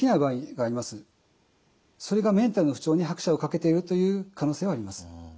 それがメンタルの不調に拍車をかけているという可能性はあります。